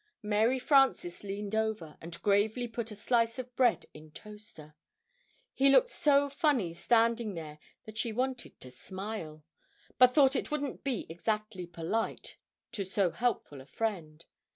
Mary Frances leaned over and gravely put a slice of bread in Toaster. He looked so funny standing there that she wanted to smile, but thought it wouldn't be exactly polite to so helpful a friend.